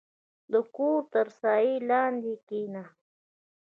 • د کور تر سایې لاندې کښېنه.